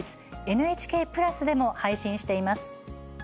ＮＨＫプラスでも配信しています。